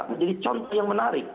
menjadi contoh yang menarik